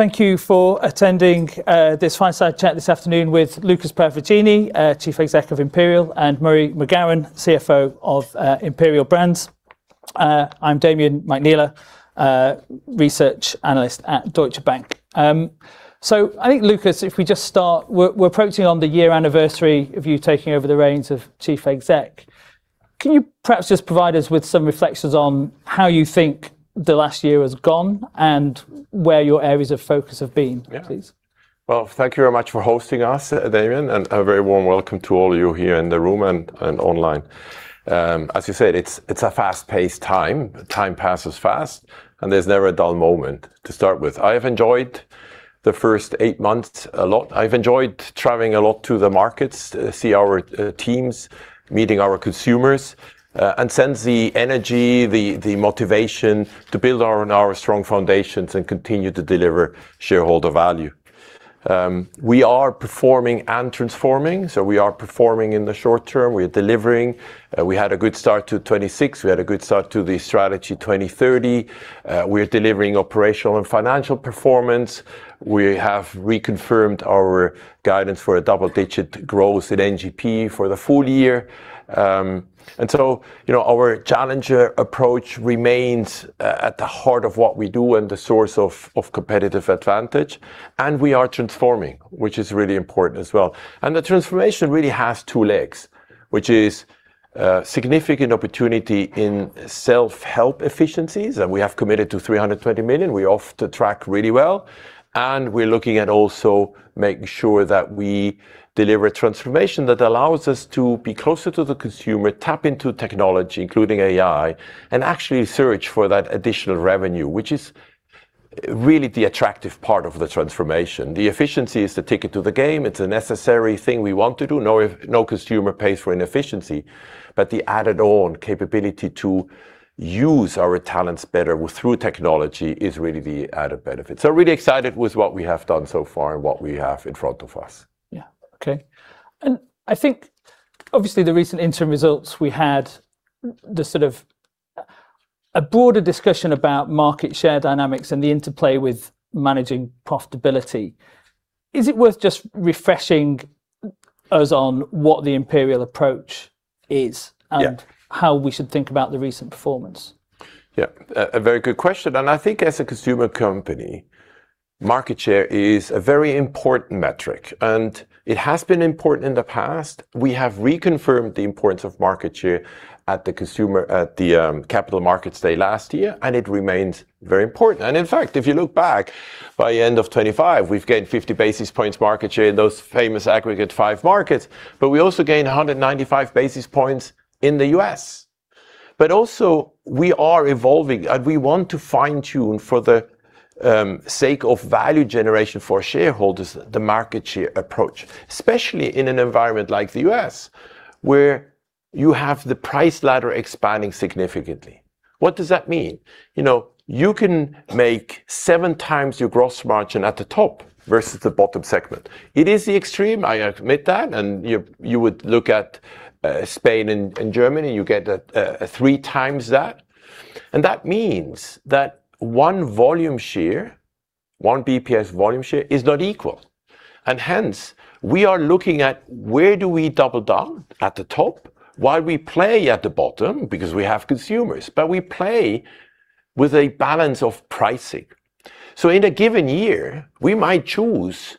Thank you for attending this fireside chat this afternoon with Lukas Paravicini, Chief Executive of Imperial, and Murray McGowan, CFO of Imperial Brands. I'm Damian McNeela, Research Analyst at Deutsche Bank. I think, Lukas, if we just start, we're approaching on the year anniversary of you taking over the reins of Chief Exec. Can you perhaps just provide us with some reflections on how you think the last year has gone and where your areas of focus have been? Yeah please? Well, thank you very much for hosting us, Damian, and a very warm welcome to all of you here in the room and online. As you said, it's a fast-paced time. Time passes fast, and there's never a dull moment. To start with, I have enjoyed the first eight months a lot. I've enjoyed traveling a lot to the markets, see our teams, meeting our consumers, and sense the energy, the motivation to build on our strong foundations and continue to deliver shareholder value. We are performing and transforming. We are performing in the short term. We're delivering. We had a good start to 2026. We had a good start to the strategy 2030. We're delivering operational and financial performance. We have reconfirmed our guidance for a double-digit growth in NGP for the full year. Our challenger approach remains at the heart of what we do and the source of competitive advantage. We are transforming, which is really important as well. The transformation really has two legs, which is a significant opportunity in self-help efficiencies. We have committed to 320 million. We're off to track really well. We're looking at also making sure that we deliver transformation that allows us to be closer to the consumer, tap into technology, including AI, and actually search for that additional revenue, which is really the attractive part of the transformation. The efficiency is the ticket to the game. It's a necessary thing we want to do. No consumer pays for inefficiency. The added on capability to use our talents better through technology is really the added benefit. Really excited with what we have done so far and what we have in front of us. Yeah. Okay. I think obviously the recent interim results we had, the sort of a broader discussion about market share dynamics and the interplay with managing profitability. Is it worth just refreshing us on what the Imperial approach is? Yeah How we should think about the recent performance? Yeah. A very good question. I think as a consumer company, market share is a very important metric, and it has been important in the past. We have reconfirmed the importance of market share at the capital markets day last year, and it remains very important. In fact, if you look back by end of 2025, we've gained 50 basis points market share in those famous aggregate five markets, but we also gained 195 basis points in the U.S. Also, we are evolving, and we want to fine-tune, for the sake of value generation for shareholders, the market share approach, especially in an environment like the U.S., where you have the price ladder expanding significantly. What does that mean? You can make 7x your gross margin at the top versus the bottom segment. It is the extreme, I admit that. You would look at Spain and Germany, and you get 3x that. That means that one volume share, one BPS volume share, is not equal. Hence, we are looking at where do we double down at the top while we play at the bottom, because we have consumers. We play with a balance of pricing. In a given year, we might choose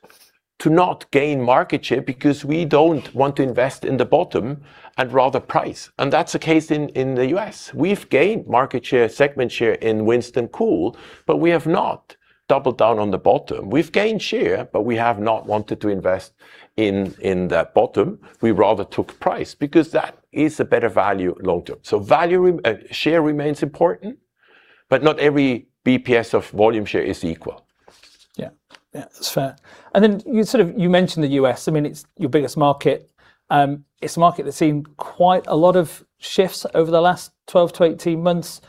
to not gain market share because we don't want to invest in the bottom and rather price. That's the case in the U.S. We've gained market share, segment share in Winston, Kool, but we have not doubled down on the bottom. We've gained share, but we have not wanted to invest in the bottom. We rather took price because that is a better value long term. Value share remains important, but not every BPS of volume share is equal. Yeah. That's fair. You mentioned the U.S. It's your biggest market. It's a market that's seen quite a lot of shifts over the last 12-18 months,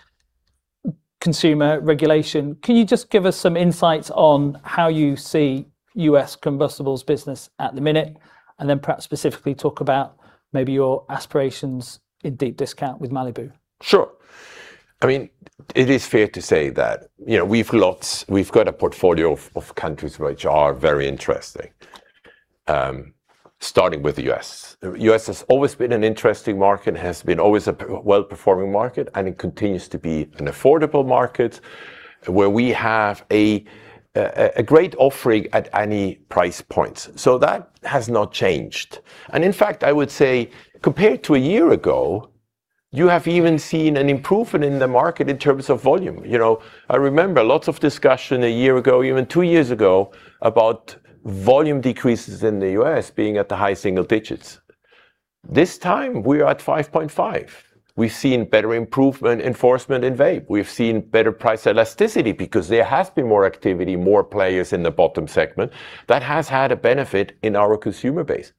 consumer regulation. Can you just give us some insights on how you see U.S. Combustibles business at the minute, and then perhaps specifically talk about maybe your aspirations in deep discount with Malibu? Sure. It is fair to say that we've got a portfolio of countries which are very interesting, starting with the U.S. U.S. has always been an interesting market, has been always a well-performing market, it continues to be an affordable market where we have a great offering at any price points. That has not changed. In fact, I would say compared to a year ago, you have even seen an improvement in the market in terms of volume. I remember lots of discussion a year ago, even two years ago, about volume decreases in the U.S. being at the high single digits. This time, we are at 5.5%. We've seen better improvement enforcement in vape. We've seen better price elasticity because there has been more activity, more players in the bottom segment. That has had a benefit in our consumer base.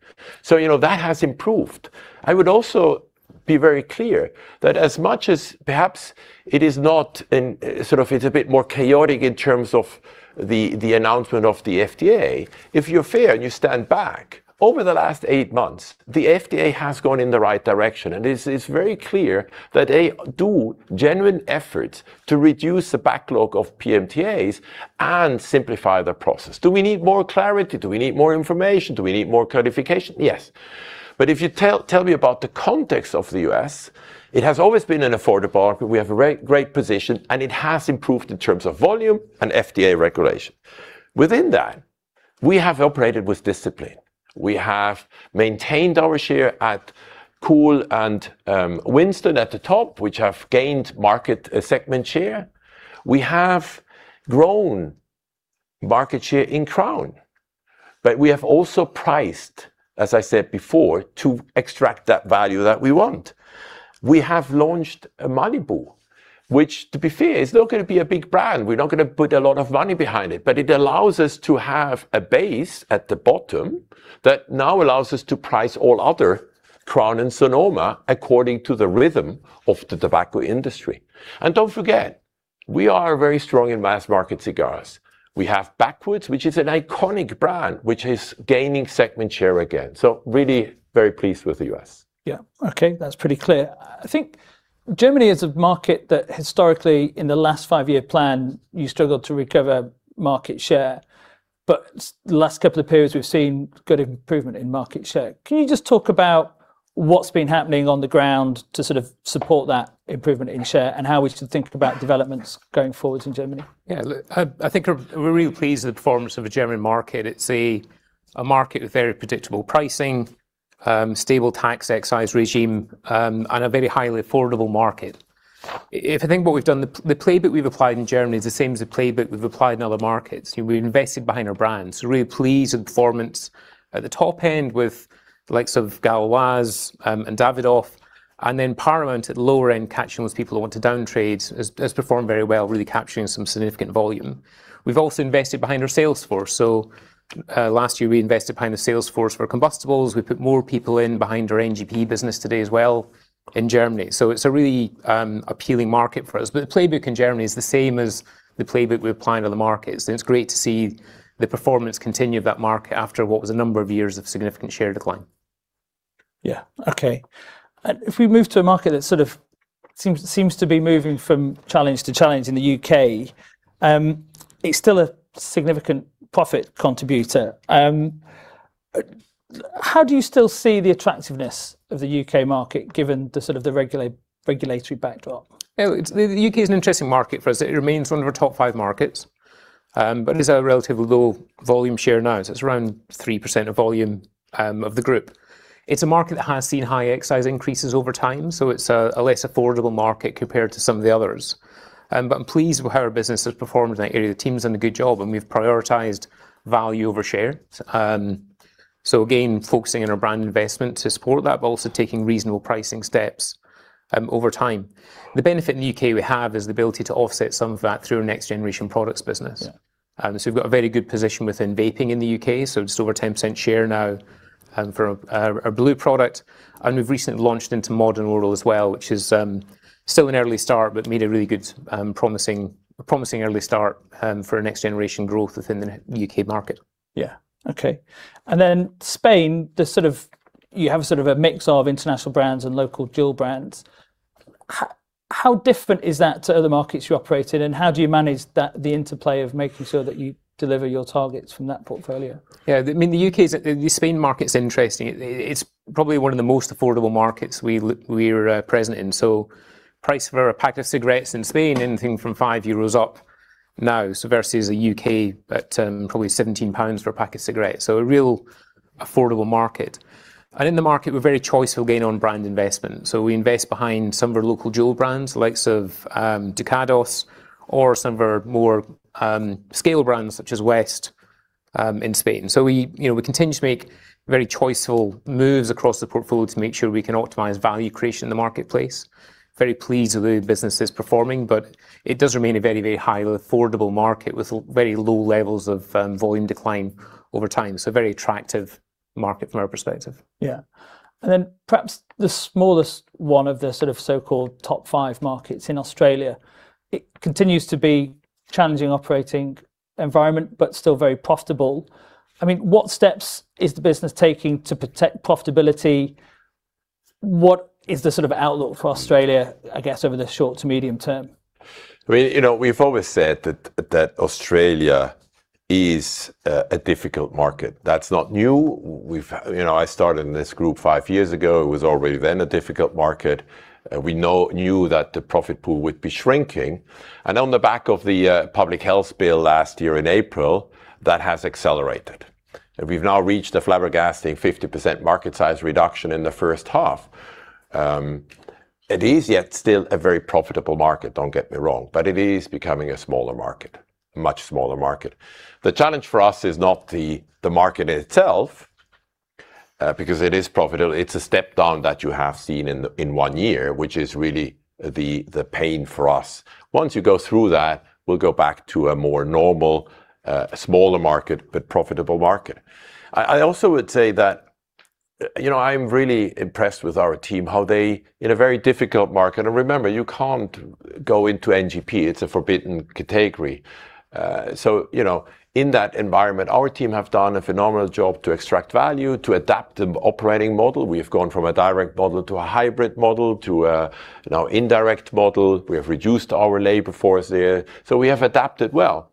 That has improved. I would also be very clear that as much as perhaps it is not, it's a bit more chaotic in terms of the announcement of the FDA. If you're fair and you stand back, over the last eight months, the FDA has gone in the right direction, it is very clear that they do genuine efforts to reduce the backlog of PMTAs and simplify the process. Do we need more clarity? Do we need more information? Do we need more codification? Yes. If you tell me about the context of the U.S., it has always been an affordable market. We have a great position, it has improved in terms of volume and FDA regulation. Within that, we have operated with discipline. We have maintained our share at Kool and Winston at the top, which have gained market segment share. We have grown market share in Crowns, but we have also priced, as I said before, to extract that value that we want. We have launched Malibu, which, to be fair, is not going to be a big brand. We're not going to put a lot of money behind it, but it allows us to have a base at the bottom that now allows us to price all other Crowns and Sonoma according to the rhythm of the tobacco industry. Don't forget, we are very strong in mass-market cigars. We have Backwoods, which is an iconic brand, which is gaining segment share again. Really very pleased with the U.S. Yeah. Okay. That's pretty clear. I think Germany is a market that historically, in the last five-year plan, you struggled to recover market share. The last couple of periods, we've seen good improvement in market share. Can you just talk about what's been happening on the ground to support that improvement in share and how we should think about developments going forward in Germany? We're really pleased with the performance of the German market. It's a market with very predictable pricing, stable tax excise regime, and a very highly affordable market. The playbook we've applied in Germany is the same as the playbook we've applied in other markets. We invested behind our brands, really pleased with the performance at the top end with the likes of Gauloises and Davidoff. Parliament at the lower end, catching those people who want to downtrade, has performed very well, really capturing some significant volume. We've also invested behind our sales force. Last year we invested behind the sales force for combustibles. We put more people in behind our NGP business today as well in Germany. It's a really appealing market for us. The playbook in Germany is the same as the playbook we applied in other markets. It's great to see the performance continue of that market after what was a number of years of significant share decline. Yeah. Okay. If we move to a market that seems to be moving from challenge to challenge in the U.K., it's still a significant profit contributor. How do you still see the attractiveness of the U.K. market, given the regulatory backdrop? The U.K. is an interesting market for us. It remains one of our top five markets, but it is a relatively low volume share now. It's around 3% of volume of the group. It's a market that has seen high excise increases over time, so it's a less affordable market compared to some of the others. I'm pleased with how our business has performed in that area. The team has done a good job, and we've prioritized value over share. Again, focusing on our brand investment to support that, but also taking reasonable pricing steps over time. The benefit in the U.K. we have is the ability to offset some of that through our next generation products business. We've got a very good position within vaping in the U.K. Just over 10% share now for our blu product, and we've recently launched into modern oral as well, which is still an early start but made a really good promising early start for next generation growth within the U.K. market. Yeah. Okay. Spain, you have a mix of international brands and local jewel brands. How different is that to other markets you operate in, and how do you manage the interplay of making sure that you deliver your targets from that portfolio? Yeah. The Spain market's interesting. It's probably one of the most affordable markets we're present in. Price for a pack of cigarettes in Spain, anything from 5 euros up now. Versus the U.K. at probably GBP 17 for a pack of cigarettes. A real affordable market. In the market, we're very choiceful again on brand investment. We invest behind some of our local jewel brands, the likes of Ducados or some of our more scale brands such as West in Spain. We continue to make very choiceful moves across the portfolio to make sure we can optimize value creation in the marketplace. Very pleased with the way the business is performing, but it does remain a very, very highly affordable market with very low levels of volume decline over time. Very attractive market from our perspective. Yeah. Perhaps the smallest one of the sort of so-called top five markets in Australia. It continues to be challenging operating environment, but still very profitable. What steps is the business taking to protect profitability? What is the outlook for Australia, I guess, over the short to medium term? We've always said that Australia is a difficult market. That's not new. I started in this group five years ago. It was already then a difficult market. We knew that the profit pool would be shrinking. On the back of the public health bill last year in April, that has accelerated. We've now reached the flabbergasting 50% market size reduction in the first half. It is yet still a very profitable market, don't get me wrong, but it is becoming a smaller market, a much smaller market. The challenge for us is not the market itself, because it is profitable. It's a step down that you have seen in one year, which is really the pain for us. Once you go through that, we'll go back to a more normal, smaller market, but profitable market. I also would say that I'm really impressed with our team, how they, in a very difficult market. Remember, you can't go into NGP. It's a forbidden category. In that environment, our team have done a phenomenal job to extract value, to adapt the operating model. We have gone from a direct model to a hybrid model, to a now indirect model. We have reduced our labor force there. We have adapted well.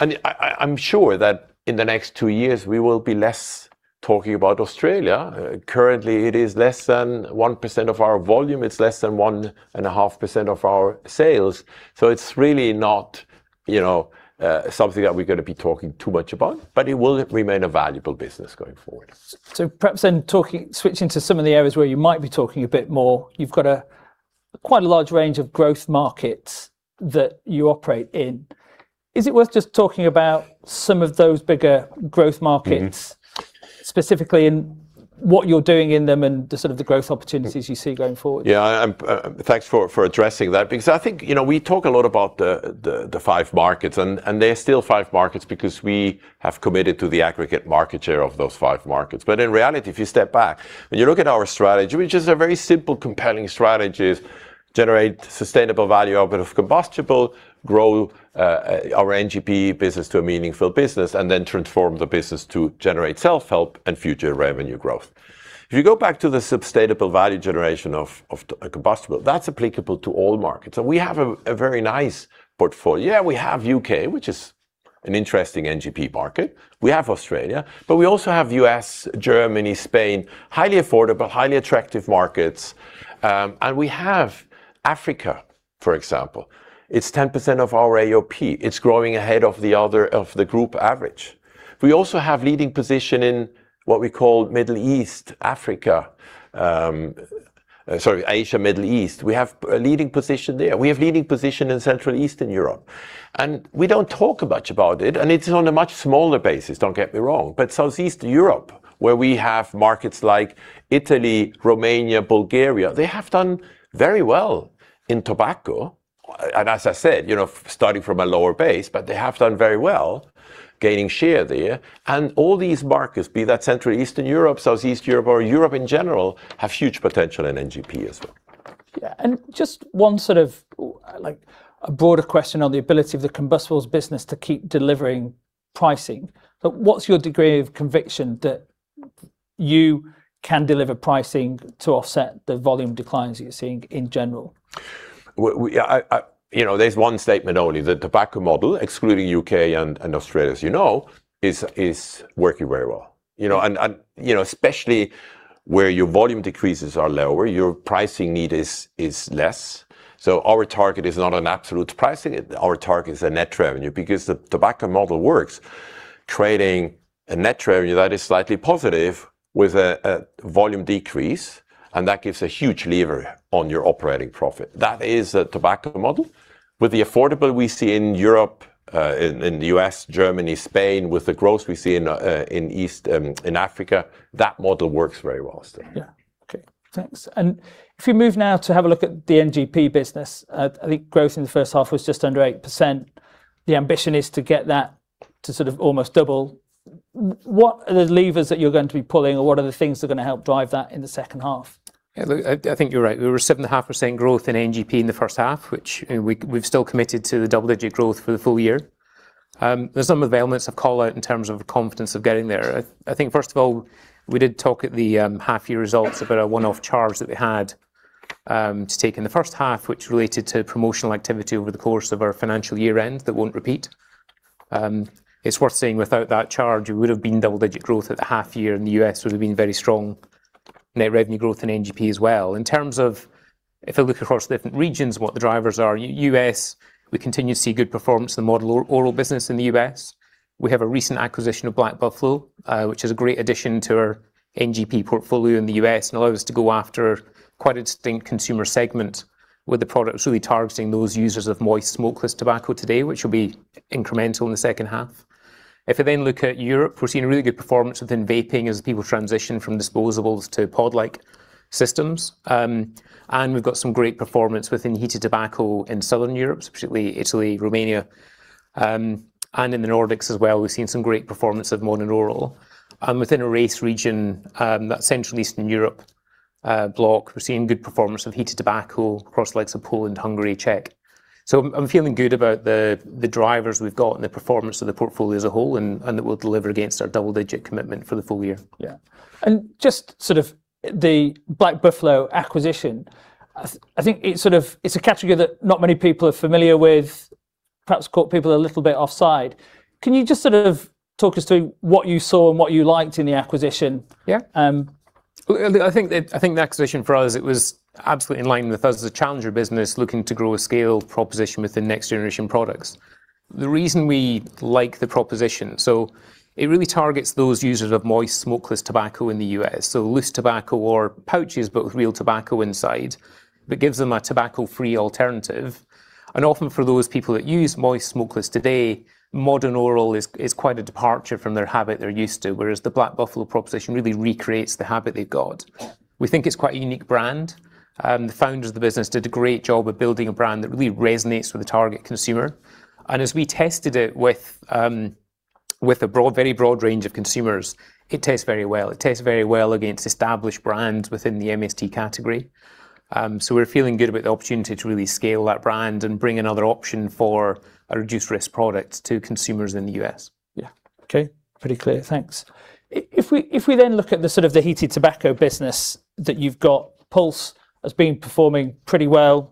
I'm sure that in the next two years, we will be less talking about Australia. Currently, it is less than 1% of our volume. It's less than 1.5% of our sales. It's really not something that we're going to be talking too much about, but it will remain a valuable business going forward. Perhaps then switching to some of the areas where you might be talking a bit more, you've got quite a large range of growth markets that you operate in. Is it worth just talking about some of those bigger growth markets? Specifically, what you're doing in them and the growth opportunities you see going forward? Thanks for addressing that because I think we talk a lot about the five markets, and there are still five markets because we have committed to the aggregate market share of those five markets. In reality, if you step back, when you look at our strategy, which is a very simple, compelling strategy, is generate sustainable value out of combustible, grow our NGP business to a meaningful business, and then transform the business to generate self-help and future revenue growth. If you go back to the sustainable value generation of combustible, that's applicable to all markets. We have a very nice portfolio. We have U.K., which is an interesting NGP market. We have Australia. We also have U.S., Germany, Spain, highly affordable, highly attractive markets. We have Africa, for example. It's 10% of our AOP. It's growing ahead of the group average. We also have leading position in what we call Middle East, Africa. Sorry, Asia, Middle East. We have a leading position there. We have leading position in Central Eastern Europe. We don't talk much about it, and it's on a much smaller basis, don't get me wrong, but Southeast Europe, where we have markets like Italy, Romania, Bulgaria, they have done very well in tobacco. As I said, starting from a lower base, but they have done very well gaining share there. All these markets, be that Central Eastern Europe, Southeast Europe, or Europe in general, have huge potential in NGP as well. Yeah. Just one broader question on the ability of the combustibles business to keep delivering pricing. What's your degree of conviction that you can deliver pricing to offset the volume declines that you're seeing in general? There's one statement only. The tobacco model, excluding U.K. and Australia, as you know, is working very well. Especially where your volume decreases are lower, your pricing need is less. Our target is not an absolute pricing. Our target is a net revenue because the tobacco model works. Trading a net revenue that is slightly positive with a volume decrease, and that gives a huge lever on your operating profit. That is a tobacco model. With the affordable we see in Europe, in the U.S., Germany, Spain, with the growth we see in East, in Africa, that model works very well still. Yeah. Okay, thanks. If we move now to have a look at the NGP business, I think growth in the first half was just under 8%. The ambition is to get that to almost double. What are the levers that you're going to be pulling, or what are the things that are going to help drive that in the second half? Look, I think you're right. We were 7.5% growth in NGP in the first half, which we've still committed to the double-digit growth for the full year. There's some availments I'd call out in terms of confidence of getting there. I think, first of all, we did talk at the half-year results about a one-off charge that we had to take in the first half, which related to promotional activity over the course of our financial year-end that won't repeat. It's worth saying without that charge, it would've been double-digit growth at the half year, and the U.S. would've been very strong net revenue growth in NGP as well. In terms of if I look across different regions, what the drivers are, U.S., we continue to see good performance in the modern oral business in the U.S. We have a recent acquisition of Black Buffalo, which is a great addition to our NGP portfolio in the U.S. and allows us to go after quite a distinct consumer segment with the product. It's really targeting those users of moist smokeless tobacco today, which will be incremental in the second half. If I look at Europe, we're seeing really good performance within vaping as people transition from disposables to pod-like systems. We've got some great performance within heated tobacco in Southern Europe, particularly Italy, Romania. In the Nordics as well, we've seen some great performance of modern oral. Within RAC region, that Central Eastern Europe bloc, we're seeing good performance of heated tobacco across the likes of Poland, Hungary, Czech. I'm feeling good about the drivers we've got and the performance of the portfolio as a whole, and that we'll deliver against our double-digit commitment for the full year. Yeah. Just the Black Buffalo acquisition, I think it is a category that not many people are familiar with, perhaps caught people a little bit offside. Can you just talk us through what you saw and what you liked in the acquisition? Look, I think the acquisition for us, it was absolutely in line with us as a challenger business looking to grow a scaled proposition within next generation products. The reason we like the proposition, so it really targets those users of moist smokeless tobacco in the U.S., so loose tobacco or pouches but with real tobacco inside, but gives them a tobacco-free alternative. Often for those people that use moist smokeless today, modern oral is quite a departure from their habit they're used to, whereas the Black Buffalo proposition really recreates the habit they've got. We think it's quite a unique brand. The founders of the business did a great job of building a brand that really resonates with the target consumer. As we tested it with a very broad range of consumers, it tests very well. It tests very well against established brands within the MST category. We're feeling good about the opportunity to really scale that brand and bring another option for a reduced-risk product to consumers in the U.S. Yeah. Okay. Pretty clear. Thanks. If we look at the heated tobacco business that you've got, Pulze has been performing pretty well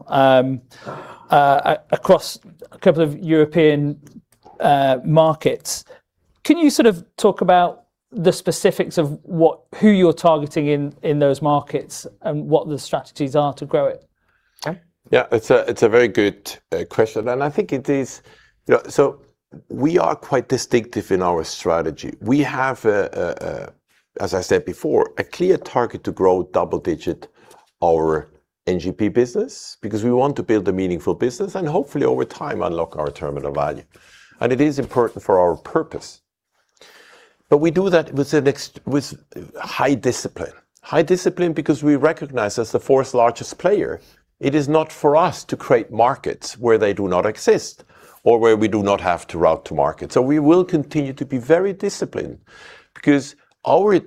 across a couple of European markets. Can you talk about the specifics of who you're targeting in those markets and what the strategies are to grow it? Yeah. It's a very good question. We are quite distinctive in our strategy. We have, as I said before, a clear target to grow double-digit our NGP business because we want to build a meaningful business and hopefully, over time, unlock our terminal value. It is important for our purpose. We do that with high discipline. High discipline because we recognize, as the fourth-largest player, it is not for us to create markets where they do not exist or where we do not have route to market. We will continue to be very disciplined because our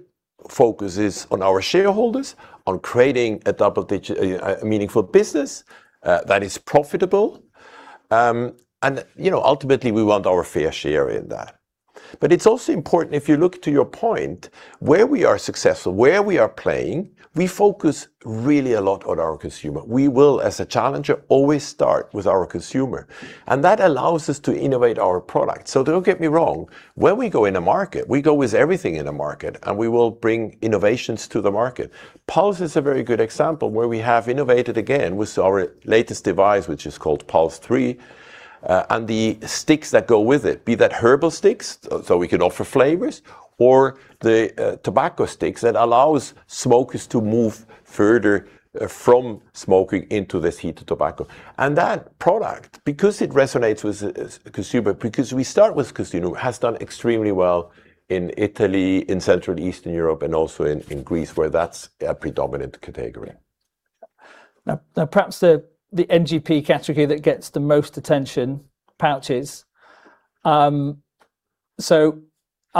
focus is on our shareholders, on creating a double-digit meaningful business that is profitable. Ultimately, we want our fair share in that. It's also important if you look to your point, where we are successful, where we are playing, we focus really a lot on our consumer. We will, as a challenger, always start with our consumer, and that allows us to innovate our product. Don't get me wrong, when we go in a market, we go with everything in a market, and we will bring innovations to the market. Pulze is a very good example where we have innovated again with our latest device, which is called Pulze 3.0, and the sticks that go with it, be that herbal sticks, so we can offer flavors, or the tobacco sticks that allows smokers to move further from smoking into this heated tobacco. That product, because it resonates with the consumer, because we start with consumer, has done extremely well in Italy, in Central and Eastern Europe, and also in Greece, where that's a predominant category. Perhaps the NGP category that gets the most attention, pouches. I'll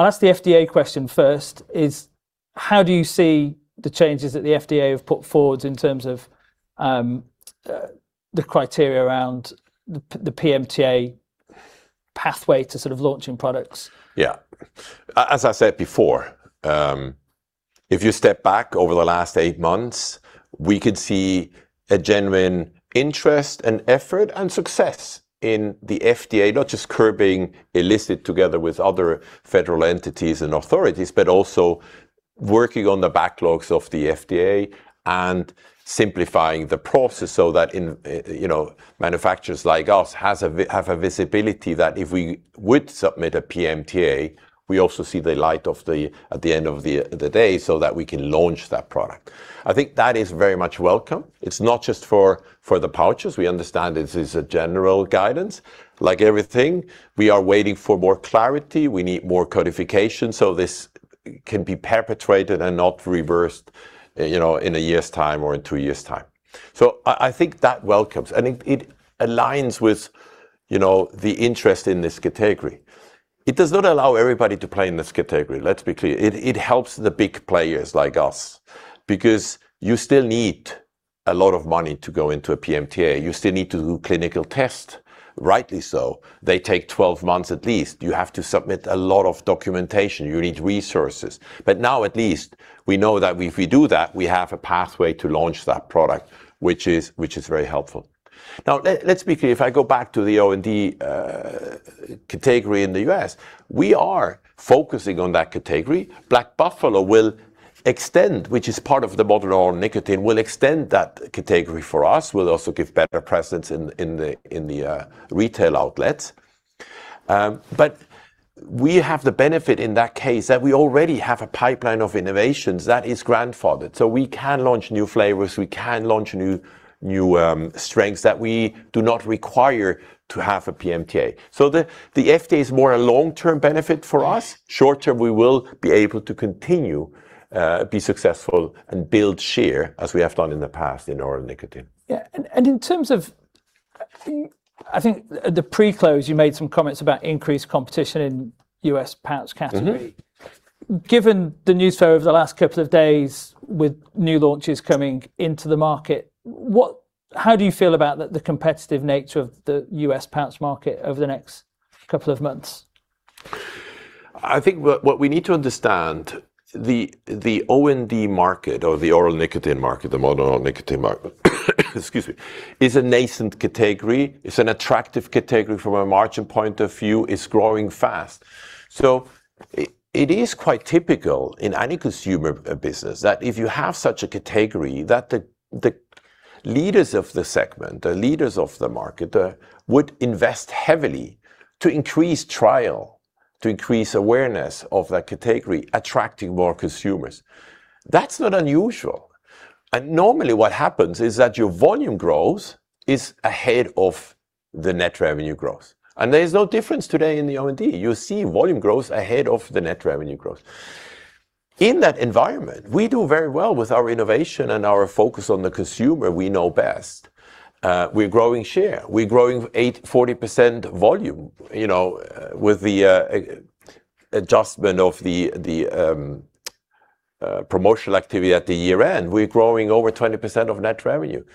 ask the FDA question first, is how do you see the changes that the FDA have put forward in terms of the criteria around the PMTA pathway to launching products? As I said before, if you step back over the last eight months, we could see a genuine interest and effort and success in the FDA, not just curbing illicit together with other federal entities and authorities, but also working on the backlogs of the FDA and simplifying the process so that manufacturers like us have a visibility that if we would submit a PMTA, we also see the light at the end of the day so that we can launch that product. I think that is very much welcome. It's not just for the pouches. We understand this is a general guidance. Like everything, we are waiting for more clarity. We need more codification, this can be perpetrated and not reversed in a year's time or in two years' time. I think that welcomes, and it aligns with the interest in this category. It does not allow everybody to play in this category. Let's be clear. It helps the big players like us because you still need a lot of money to go into a PMTA. You still need to do clinical tests, rightly so. They take 12 months at least. You have to submit a lot of documentation. You need resources. At least, we know that if we do that, we have a pathway to launch that product, which is very helpful. Let's be clear. If I go back to the OND category in the U.S., we are focusing on that category. Black Buffalo will extend, which is part of the modern oral nicotine, will extend that category for us. We'll also give better presence in the retail outlets. We have the benefit in that case that we already have a pipeline of innovations that is grandfathered. We can launch new flavors, we can launch new strengths that we do not require to have a PMTA. The FDA is more a long-term benefit for us. Short-term, we will be able to continue be successful and build share as we have done in the past in oral nicotine. Yeah. In terms of, I think at the pre-close, you made some comments about increased competition in U.S. pouch category. Given the news flow over the last couple of days with new launches coming into the market, how do you feel about the competitive nature of the U.S. pouch market over the next couple of months? I think what we need to understand, the OND market or the oral nicotine market, the modern oral nicotine market excuse me, is a nascent category. It's an attractive category from a margin point of view. It's growing fast. It is quite typical in any consumer business that if you have such a category, that the leaders of the segment, the leaders of the market would invest heavily to increase trial, to increase awareness of that category, attracting more consumers. That's not unusual. Normally what happens is that your volume growth is ahead of the net revenue growth. There is no difference today in the OND. You see volume growth ahead of the net revenue growth. In that environment, we do very well with our innovation and our focus on the consumer we know best. We're growing share. We're growing 40% volume. With the adjustment of the promotional activity at the year-end, we're growing over 20% of net revenue.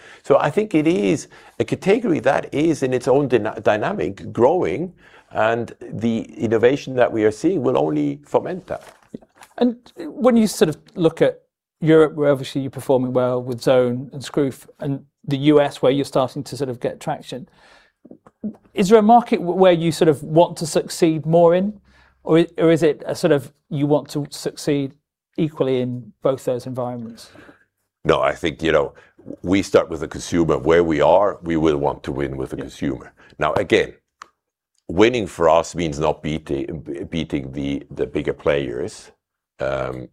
I think it is a category that is, in its own dynamic, growing, and the innovation that we are seeing will only foment that. Yeah. When you look at Europe, where obviously you're performing well with Zone and Skruf, and the U.S., where you're starting to get traction, is there a market where you want to succeed more in? Is it you want to succeed equally in both those environments? I think we start with the consumer where we are, we will want to win with the consumer. Yeah. Again, winning for us means not beating the bigger players.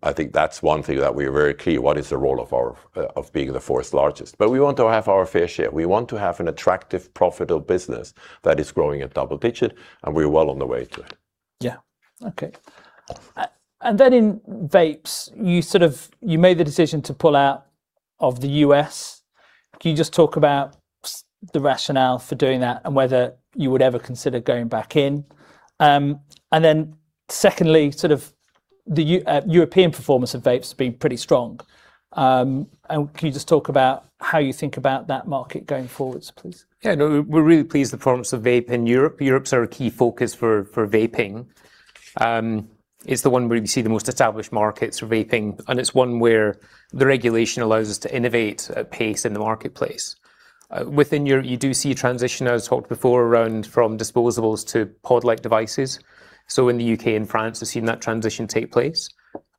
I think that's one thing that we are very clear what is the role of being the fourth largest. We want to have our fair share. We want to have an attractive, profitable business that is growing at double-digit, and we are well on the way to it. Yeah. Okay. In vapes, you made the decision to pull out of the U.S. Can you just talk about the rationale for doing that, and whether you would ever consider going back in? Secondly, the European performance of vapes has been pretty strong. Can you just talk about how you think about that market going forwards, please? Yeah, no. We're really pleased with the performance of vape in Europe. Europe's our key focus for vaping. It's the one where we see the most established markets for vaping, and it's one where the regulation allows us to innovate at pace in the marketplace. Within Europe, you do see a transition, as talked before, around from disposables to pod-like devices. In the U.K. and France, we've seen that transition take place.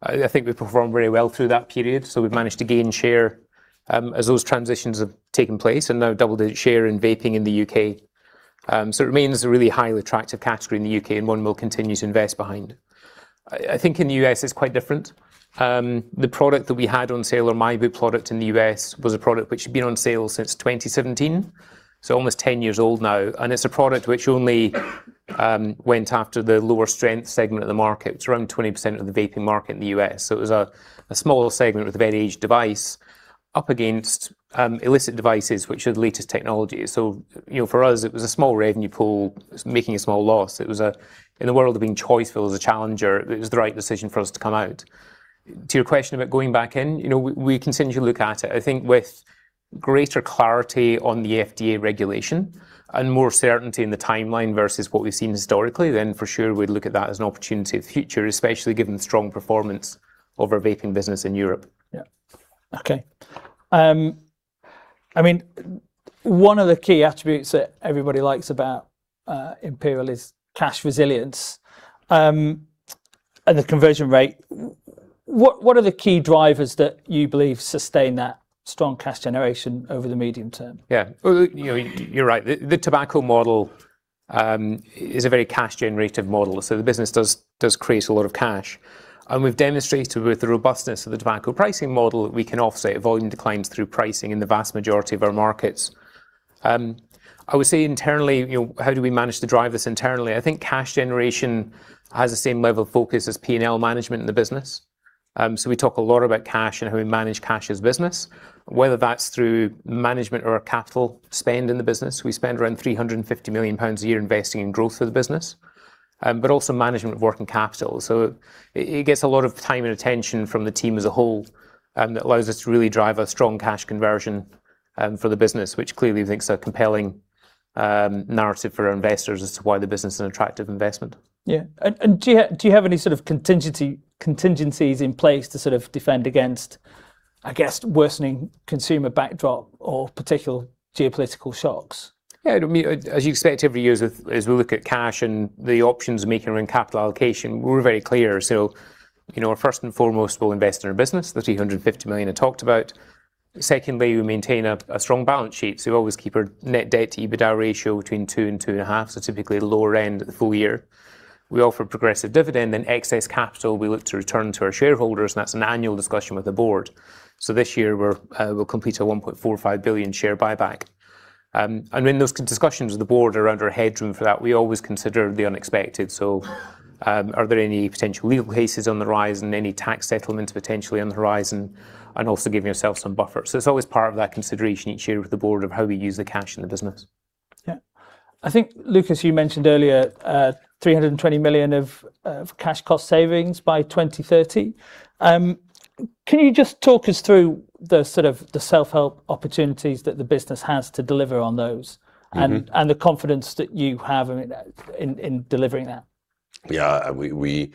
I think we've performed very well through that period. We've managed to gain share as those transitions have taken place, and now double the share in vaping in the U.K. It remains a really highly attractive category in the U.K., and one we'll continue to invest behind. I think in the U.S. it's quite different. The product that we had on sale, or my blu product in the U.S., was a product which had been on sale since 2017, so almost 10 years old now. It's a product which only went after the lower-strength segment of the market. It's around 20% of the vaping market in the U.S. It was a small segment with a very aged device, up against illicit devices, which are the latest technology. For us, it was a small revenue pool making a small loss. In the world of being choice-full as a challenger, it was the right decision for us to come out. To your question about going back in, we continually look at it. I think with greater clarity on the FDA regulation and more certainty in the timeline versus what we've seen historically, then for sure we'd look at that as an opportunity for the future, especially given the strong performance of our vaping business in Europe. Yeah. Okay. One of the key attributes that everybody likes about Imperial is cash resilience, and the conversion rate. What are the key drivers that you believe sustain that strong cash generation over the medium term? Yeah. You're right. The tobacco model is a very cash generative model, so the business does create a lot of cash. We've demonstrated with the robustness of the tobacco pricing model, that we can offset volume declines through pricing in the vast majority of our markets. I would say internally, how do we manage to drive this internally? I think cash generation has the same level of focus as P&L management in the business. We talk a lot about cash and how we manage cash as business, whether that's through management or our capital spend in the business. We spend around 350 million pounds a year investing in growth of the business. Also, management of working capital. It gets a lot of time and attention from the team as a whole, that allows us to really drive a strong cash conversion for the business, which clearly we think is a compelling narrative for our investors as to why the business is an attractive investment. Yeah. Do you have any contingencies in place to defend against, I guess, worsening consumer backdrop, or particular geopolitical shocks? Yeah. As you expect every year, as we look at cash and the options of making our own capital allocation, we're very clear. First and foremost, we'll invest in our business, the 350 million I talked about. Secondly, we maintain a strong balance sheet. We always keep our net debt to EBITDA ratio between 2 and 2.5. Typically lower end at the full year. We offer progressive dividend, and excess capital we look to return to our shareholders, and that's an annual discussion with the board. This year we'll complete a 1.45 billion share buyback. When those discussions with the board are under headroom for that, we always consider the unexpected. Are there any potential legal cases on the rise and any tax settlements potentially on the horizon? Also giving ourselves some buffer. It's always part of that consideration each year with the board of how we use the cash in the business. Yeah. I think Lukas, you mentioned earlier, 320 million of cash cost savings by 2030. Can you just talk us through the self-help opportunities that the business has to deliver on those? The confidence that you have in delivering that? Yeah. We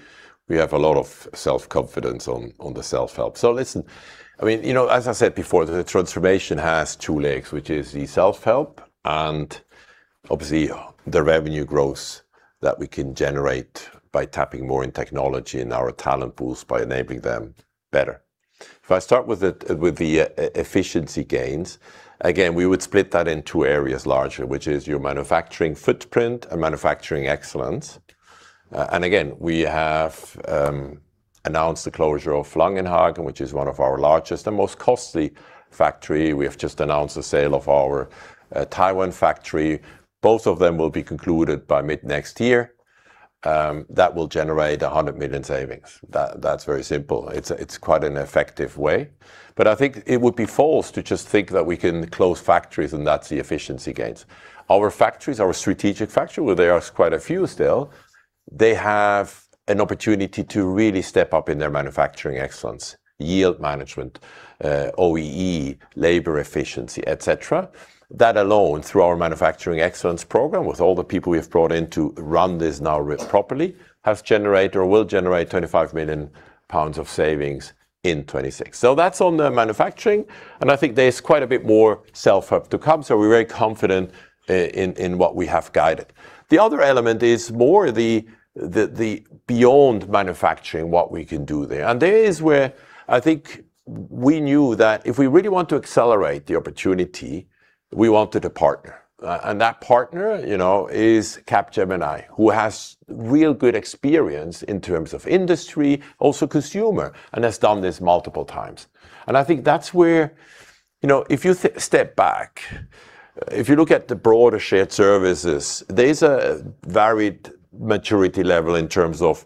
have a lot of self-confidence on the self-help. Listen, as I said before, the transformation has two legs, which is the self-help and obviously the revenue growth that we can generate by tapping more in technology and our talent pools by enabling them better. If I start with the efficiency gains, again, we would split that in two areas largely, which is your manufacturing footprint and manufacturing excellence. Again, we have announced the closure of Langenhagen, which is one of our largest and most costly factory. We have just announced the sale of our Taiwan factory. Both of them will be concluded by mid next year. That will generate 100 million savings. That's very simple. It's quite an effective way, I think it would be false to just think that we can close factories and that's the efficiency gains. Our factories, our strategic factories, there are quite a few still, they have an opportunity to really step up in their manufacturing excellence, yield management, OEE, labor efficiency, et cetera. That alone, through our Manufacturing Excellence program, with all the people we've brought in to run this now properly, has generated or will generate 25 million pounds of savings in 2026. That's on the manufacturing, and I think there's quite a bit more self-help to come. We're very confident in what we have guided. The other element is more the beyond manufacturing, what we can do there. There is where I think we knew that if we really want to accelerate the opportunity, we wanted a partner. That partner is Capgemini, who has real good experience in terms of industry, also consumer, and has done this multiple times. I think that's where, if you step back, if you look at the broader shared services, there's a varied maturity level in terms of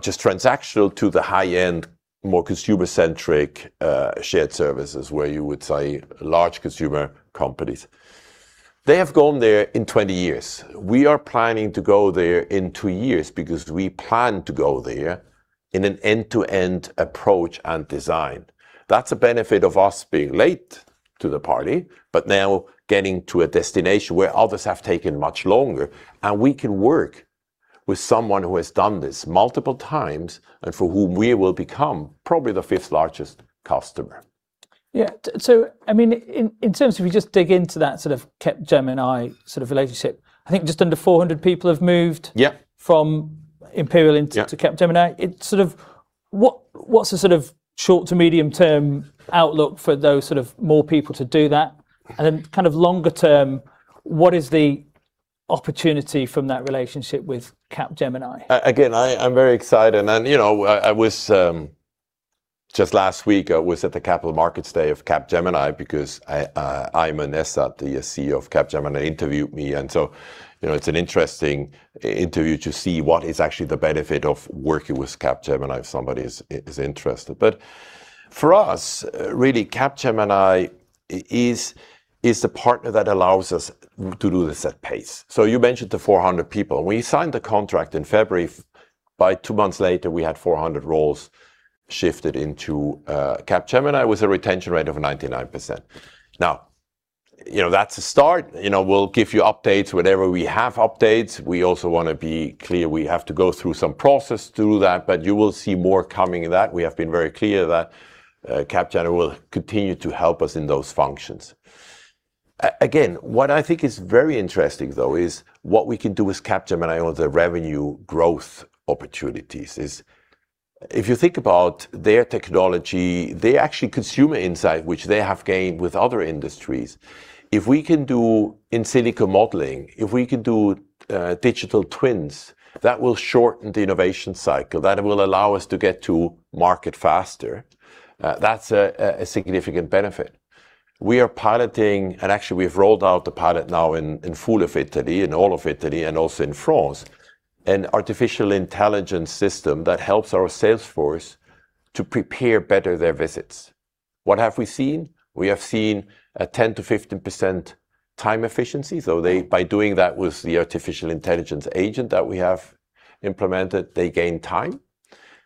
just transactional to the high-end, more consumer-centric, shared services where you would say large consumer companies. They have gone there in 20 years. We are planning to go there in two years because we plan to go there in an end-to-end approach and design. That's a benefit of us being late to the party but now getting to a destination where others have taken much longer, and we can work with someone who has done this multiple times and for whom we will become probably the fifth largest customer. In terms of, if you just dig into that sort of Capgemini sort of relationship, I think just under 400 people have moved. Yeah from Imperial into Capgemini. Yeah. What's the sort of short to medium term outlook for those sort of more people to do that? Kind of longer term, what is the opportunity from that relationship with Capgemini? I'm very excited. Just last week I was at the Capital Markets Day of Capgemini because Aiman Ezzat, the CEO of Capgemini, interviewed me. It's an interesting interview to see what is actually the benefit of working with Capgemini if somebody is interested. For us, really, Capgemini is the partner that allows us to do this at pace. You mentioned the 400 people. We signed the contract in February. By two months later, we had 400 roles shifted into Capgemini with a retention rate of 99%. That's a start. We'll give you updates whenever we have updates. We also want to be clear, we have to go through some process to do that. You will see more coming of that. We have been very clear that Capgemini will continue to help us in those functions. What I think is very interesting though, is what we can do with Capgemini on the revenue growth opportunities is, if you think about their technology, their actual consumer insight, which they have gained with other industries, if we can do in silico modeling, if we can do digital twins, that will shorten the innovation cycle. That will allow us to get to market faster. That's a significant benefit. We are piloting, and actually we've rolled out the pilot now in full of Italy, in all of Italy and also in France, an artificial intelligence system that helps our sales force to prepare better their visits. What have we seen? We have seen a 10%-15% time efficiency. By doing that with the artificial intelligence agent that we have implemented, they gain time,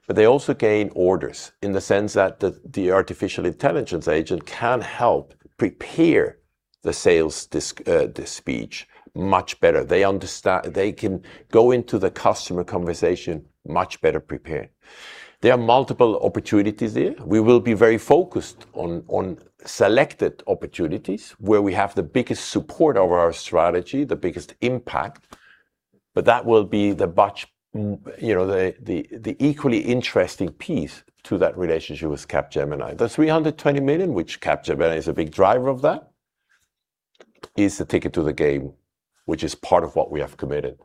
but they also gain orders in the sense that the artificial intelligence agent can help prepare the sales speech much better. They can go into the customer conversation much better prepared. There are multiple opportunities there. We will be very focused on selected opportunities where we have the biggest support of our strategy, the biggest impact, but that will be the equally interesting piece to that relationship with Capgemini. The 320 million, which Capgemini is a big driver of that, is the ticket to the game, which is part of what we have committed.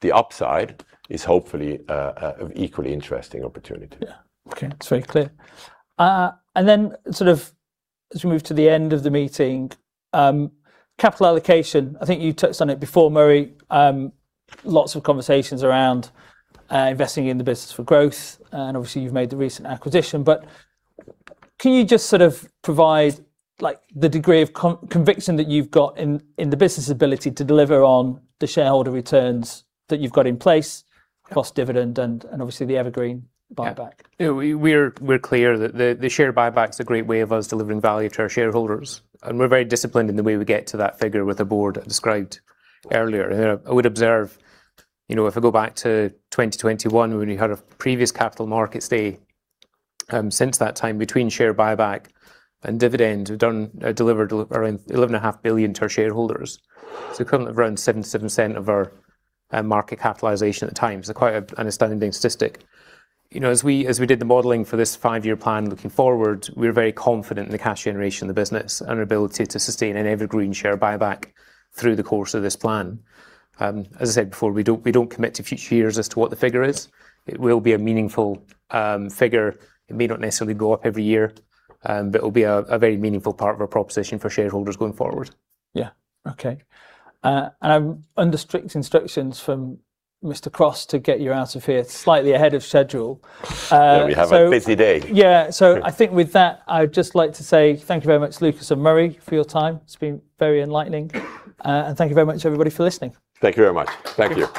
The upside is hopefully an equally interesting opportunity. Yeah. Okay. That's very clear. As we move to the end of the meeting, capital allocation, I think you touched on it before, Murray. Lots of conversations around investing in the business for growth, and obviously you've made the recent acquisition, but can you just sort of provide the degree of conviction that you've got in the business' ability to deliver on the shareholder returns that you've got in place across dividend and obviously the evergreen buyback? We're clear that the share buyback is a great way of us delivering value to our shareholders, and we're very disciplined in the way we get to that figure with the board described earlier. I would observe, if I go back to 2021 when we had a previous Capital Markets Day, since that time between share buyback and dividend, we've delivered around 11.5 billion to our shareholders. Currently around 77% of our market capitalization at times, quite an astounding statistic. We did the modeling for this five-year plan looking forward, we are very confident in the cash generation of the business and our ability to sustain an evergreen share buyback through the course of this plan. As I said before, we don't commit to future years as to what the figure is. It will be a meaningful figure. It may not necessarily go up every year, but it will be a very meaningful part of our proposition for shareholders going forward. Yeah. Okay. I'm under strict instructions from Mr. Cross to get you out of here slightly ahead of schedule. Yeah, we have a busy day. I think with that, I'd just like to say thank you very much, Lukas and Murray, for your time. It's been very enlightening. Thank you very much everybody for listening. Thank you very much. Thank you.